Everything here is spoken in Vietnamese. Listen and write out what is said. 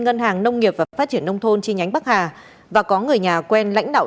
ngân hàng nông nghiệp và phát triển nông thôn chi nhánh bắc hà và có người nhà quen lãnh đạo